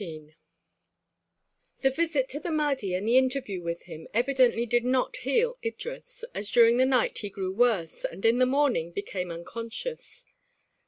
XIX The visit to the Mahdi and the interview with him evidently did not heal Idris, as during the night he grew worse and in the morning became unconscious.